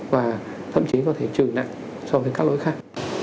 và thậm chí có thể trừ nặng so với các lỗi khác